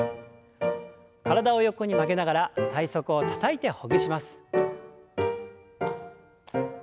体を横に曲げながら体側をたたいてほぐします。